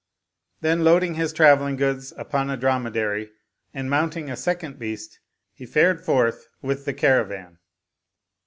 Then loading his traveling goods upon a drome dary and mounting a second beast he fared forth with the caravan.